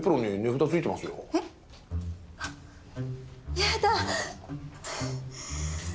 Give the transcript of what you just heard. やだ！